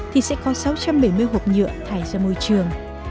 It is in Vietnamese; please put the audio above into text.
thì sẽ có sáu trăm bảy mươi hộp nhựa thải ra môi trường